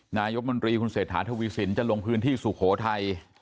นายธรรมนตรีเซศาสตร์ทวีสินจะลงพื้นที่สุโขทัย